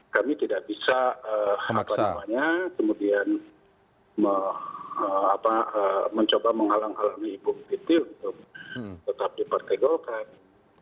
kami tidak bisa kemudian mencoba menghalang halangi ibu titi untuk tetap di partai golkar